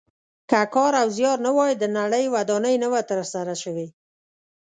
که کار او زیار نه وای د نړۍ ودانۍ نه وه تر سره شوې.